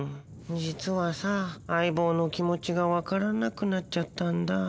実はさあ、相棒の気持ちが分からなくなっちゃったんだ。